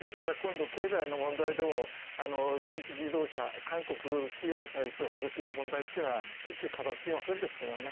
経済の問題でも電気自動車韓国企業に対する補助金の問題は片付きませんでしたもんね。